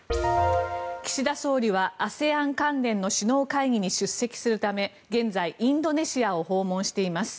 岸田総理はＡＳＥＡＮ関連の首脳会議に出席するため現在、インドネシアを訪問しています。